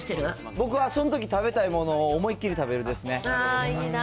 僕は、そのとき食べたいものを思いっ切り食べるですね。